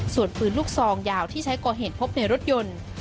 ส่วนปืนลูกซองยาวที่ใช้ก่อเหตุพบในรถยนต์